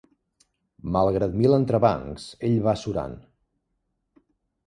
Malgrat mil entrebancs, ell va surant.